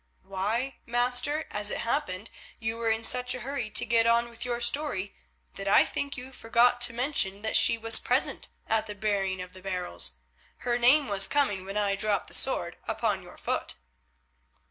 "Why, master, as it happened you were in such a hurry to get on with your story that I think you forgot to mention that she was present at the burying of the barrels. Her name was coming when I dropped the sword upon your foot."